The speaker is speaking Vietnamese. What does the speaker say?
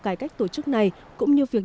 cải cách tổ chức này cũng như việc